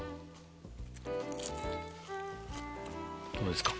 どうですか？